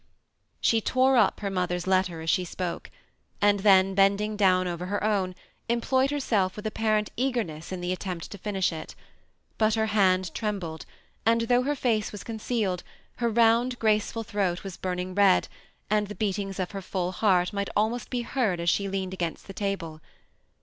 She tore up her mother^s letter as she spoke, and then hending down over her own, employed herself witb apparent eagerness in the attempt to finish it; but her hand trembled, and though her face was concealed, her round graceful throat was burning red, and the beatings of her fuU heart might almost be heard as she leaned agunst the table.